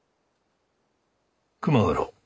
熊五郎。